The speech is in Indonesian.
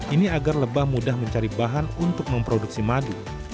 ini agar lebah mudah mencari bahan untuk memproduksi madu